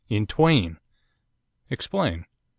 in twain.' 'Explain.